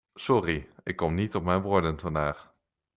Sorry, ik kom niet op mijn woorden vandaag.